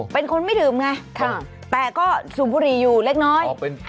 เป็นคนไม่ดื่มไงแต่ก็สูบบุหรี่อยู่เล็กน้อย